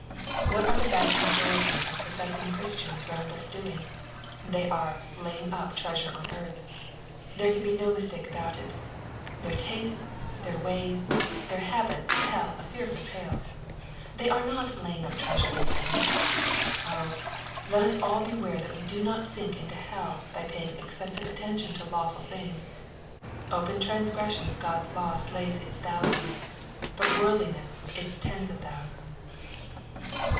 What are the vast majority of profess ing Christians round us doing ? They are " laying up treasure on earth." There can be no mistake about it. Their tastes, their ways, their habits tell a fearful tale. They are not " laying up treasure in heaven." Oh 1 let us all beware that we do not sink into hell by paying excessive attention to lawful things. Open transgression of God's law slays its thousands, but worldliness its tens of thousands.